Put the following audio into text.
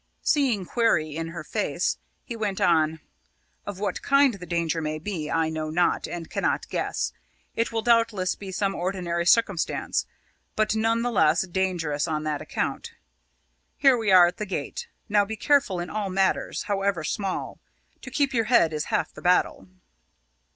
Seeing query in her face, he went on: "Of what kind the danger may be, I know not, and cannot guess. It will doubtless be some ordinary circumstance; but none the less dangerous on that account. Here we are at the gate. Now, be careful in all matters, however small. To keep your head is half the battle."